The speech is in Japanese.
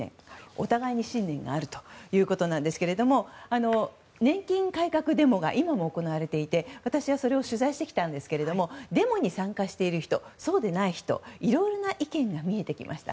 お互いに信念があるということですが年金改革デモが今も行われていて私はそれを取材してきたんですがデモに参加している人そうでない人いろいろな意見が見えてきました。